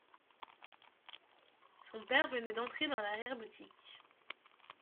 Son père venait d’entrer dans l’arrière-boutique.